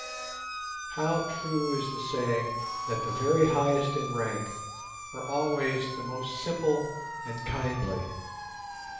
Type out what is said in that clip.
How true is the saying that the very highest in rank are always the most simple and kindly.